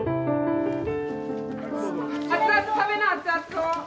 熱々食べな熱々を。